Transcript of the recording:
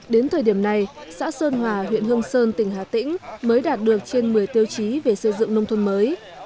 đến thời điểm này xã sơn hòa huyện hương sơn tỉnh hà tĩnh mới đạt được trên một mươi tiêu chí về sử dụng nông thuận mới